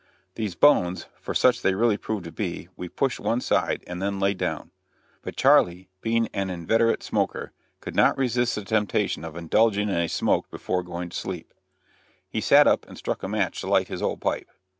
These bones, for such they really proved to be, we pushed one side and then we lay down. But Charley, being an inveterate smoker, could not resist the temptation of indulging in a smoke before going to sleep. So he sat up and struck a match to light his old pipe.